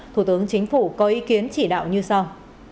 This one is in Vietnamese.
thủ tướng chính phủ có ý kiến chỉ đạo như sau